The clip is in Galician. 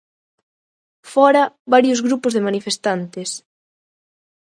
Fóra, varios grupos de manifestantes.